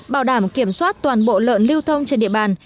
bảo đảm kiểm soát toàn bộ lợn lưu thông trên địa bàn